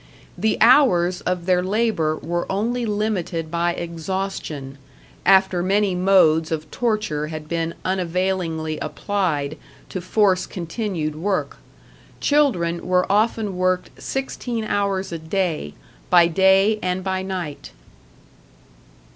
The hours of their labor were only limited by exhaustion, after many modes of torture had been unavailingly applied to force continued work. Children were often worked sixteen hours a day, by day and by night.